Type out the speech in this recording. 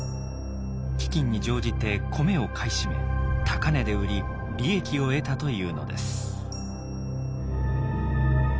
飢饉に乗じて米を買い占め高値で売り利益を得たというのです。